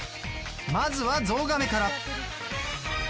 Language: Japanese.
まずはゾウガメから。